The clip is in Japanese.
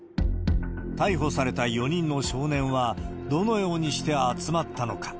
逮捕された４人の少年は、どのようにして集まったのか。